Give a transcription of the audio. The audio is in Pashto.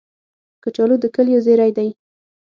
کچالو د کلیو زېری دی